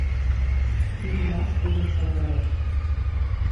Тӱрмаш тудым шындынешт...